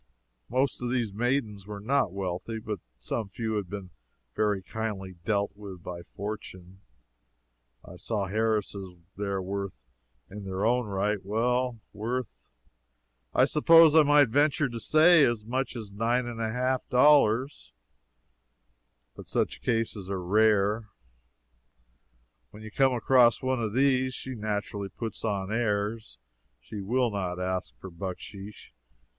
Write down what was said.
Most of these maidens were not wealthy, but some few had been very kindly dealt with by fortune. I saw heiresses there worth, in their own right worth, well, I suppose I might venture to say, as much as nine dollars and a half. But such cases are rare. When you come across one of these, she naturally puts on airs. She will not ask for bucksheesh.